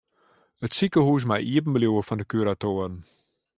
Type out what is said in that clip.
It sikehús mei iepen bliuwe fan de kuratoaren.